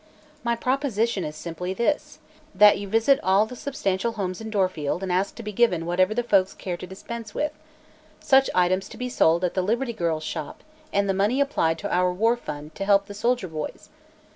"My proposition is simply this: that you visit all the substantial homes in Dorfield and ask to be given whatever the folks care to dispense with, such items to be sold at 'The Liberty Girls' Shop' and the money applied to our War Fund to help the soldier boys.